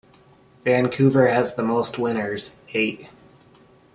Vancouver has the most winners, eight.